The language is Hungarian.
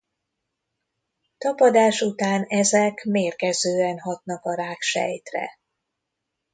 Tapadás után ezek mérgezően hatnak a rák sejtre.